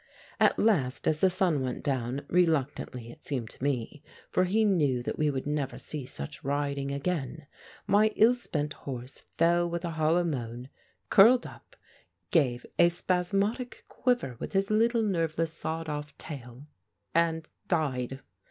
At last as the sun went down, reluctantly, it seemed to me, for he knew that he would never see such riding again, my ill spent horse fell with a hollow moan, curled up, gave a spasmodic quiver with his little, nerveless, sawed off tail and died.